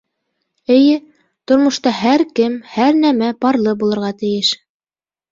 Эйе, тормошта һәр кем, һәр нәмә парлы булырға тейеш.